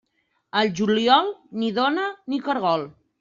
Al juliol, ni dona ni caragol.